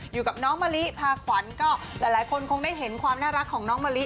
อยู่กับน้องมะลิพาขวัญก็หลายคนคงได้เห็นความน่ารักของน้องมะลิ